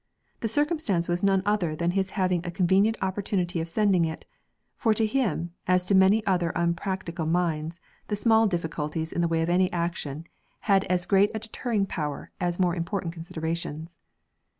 The circumstance was none other than his having a convenient opportunity of sending it; for to him, as to many other unpractical minds, the small difficulties in the way of any action had as great a deterring power as more important considerations.